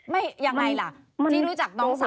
ยังไงล่ะที่รู้จักน้องสาว